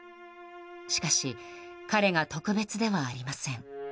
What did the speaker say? しかし彼が特別ではありません。